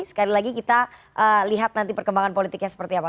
sekali lagi kita lihat nanti perkembangan politiknya seperti apa